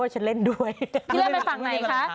ทีเล่นไปฝั่งไหนคะ